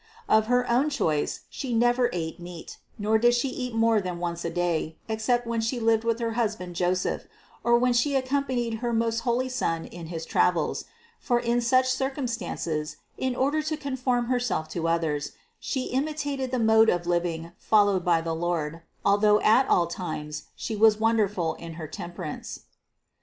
Of Her own choice She never ate meat, nor did She eat more than once a day, except when She lived with her husband Joseph, or when She accompanied her most holy Son in his travels; for in such circumstances, in order to con form Herself to others, She imitated the mode of living followed by the Lord, although at all times She was won derful in her temperance.